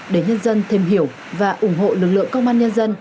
để nhân dân thêm hiểu và ủng hộ lực lượng công an nhân dân